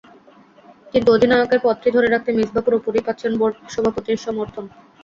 কিন্তু অধিনায়কের পদটি ধরে রাখতে মিসবাহ পুরোপুরিই পাচ্ছেন বোর্ড সভাপতির সমর্থন।